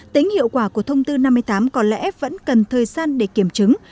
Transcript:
tính hiệu quả của thông tư năm mươi tám có lẽ vẫn cần thời gian để kiểm chứng